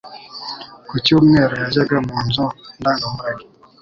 Ku cyumweru, yajyaga mu nzu ndangamurage.